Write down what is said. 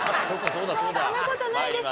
そんな事ないです。